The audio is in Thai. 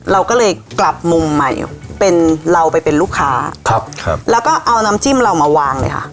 เราก็เลยกลับมุมใหม่เป็นเราไปเป็นลูกค้าครับครับแล้วก็เอาน้ำจิ้มเรามาวางเลยค่ะ